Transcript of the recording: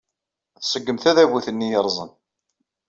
Tṣeggem tadabut-nni yerrẓen.